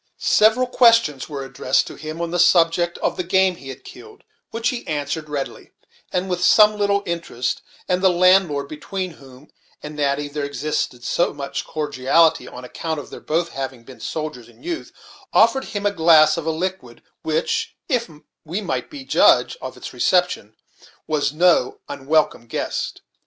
Several questions were addressed to him, on the subject of the game he had killed, which he answered readily, and with some little interest; and the landlord, between whom and Natty there existed much cordiality, on account of their both having been soldiers in youth, offered him a glass of a liquid which, if we might judge from its reception, was no unwelcome guest.